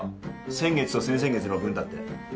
先月と先々月の分だって。